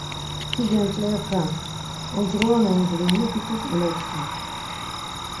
Ti genç̌eri xen, oncğoroni oncğoroni biç̌is elotzǩen.